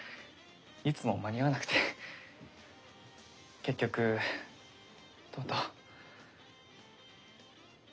いつも間に合わなくて結局とうとう。